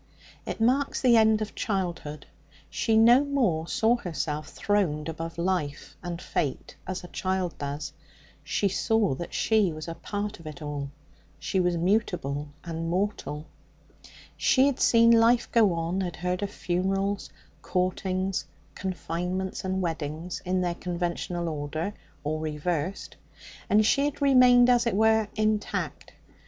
It marks the end of childhood. She no more saw herself throned above life and fate, as a child does. She saw that she was a part of it all; she was mutable and mortal. She had seen life go on, had heard of funerals, courtings, confinements and weddings in their conventional order or reversed and she had remained, as it were, intact.